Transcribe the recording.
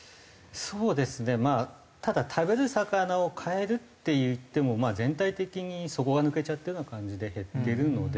そうですねただ食べる魚を変えるっていっても全体的に底が抜けちゃったような感じで減ってるので。